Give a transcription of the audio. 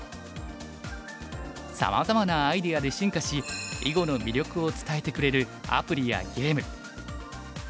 さまざまなアイデアで進化し囲碁の魅力を伝えてくれるアプリやゲーム。